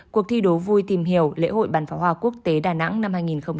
cuộc thi đố vui tìm hiểu lễ hội bàn phá hoa quốc tế đà nẵng năm hai nghìn hai mươi